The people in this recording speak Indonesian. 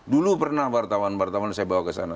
dulu pernah wartawan wartawan saya bawa ke sana